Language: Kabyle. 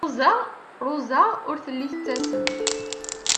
Ṛuza ur telli tettasem.